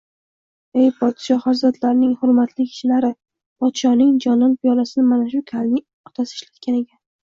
Ey, podsho hazratlarining hurmatli kishilari, podshoning jonon piyolasini mana shu kalning otasi ishlagan ekan